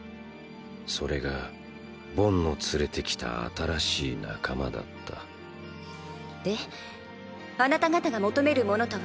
それがボンの連れてきた新しい仲間だったであなた方が求めるものとは？